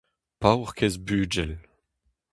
Paourkaezh bugel !